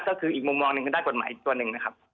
ก็คืออีกมุมมองหนึ่งคือด้านกฎหมายอีกตัวหนึ่งนะครับ